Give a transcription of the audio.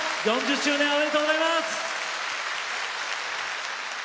４０周年おめでとうございます。